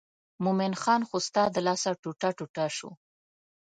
مومن خان خو ستا د لاسه ټوټه ټوټه شو.